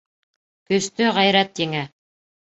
Көстө ғәйрәт еңә.